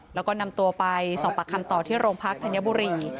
แล้วก็นำตัวไปสอบปากคำต่อที่โรงพักธัญบุรี